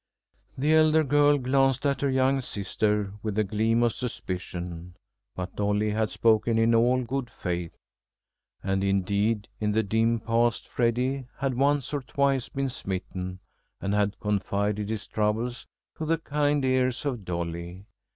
The elder girl glanced at her young sister with a gleam of suspicion, but Dolly had spoken in all good faith. And, indeed, in the dim past Freddy had once or twice been smitten and had confided his troubles to the kind ears of Dolly.